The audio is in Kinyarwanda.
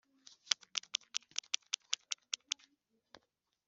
ni hehe wasanze iki gikapo?